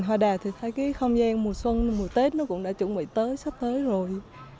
mùa hoa anh đào thì thấy cái không gian mùa xuân mùa tết nó cũng đã chuẩn bị tới sắp tới rồi